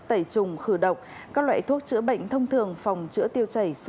tẩy trùng khử độc các loại thuốc chữa bệnh thông thường phòng chữa tiêu chảy xốt z xốt virus